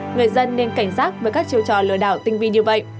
người dân nên cảnh giác với các chiêu trò lừa đảo tinh vi như vậy